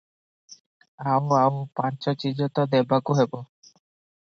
ଆଉ ଆଉ ପାଞ୍ଚ ଚିଜ ତ ଦେବାକୁ ହେବ ।